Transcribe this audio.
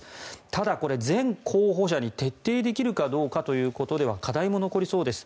ただこれ、全候補者に徹底できるかどうかということでは課題も残りそうです。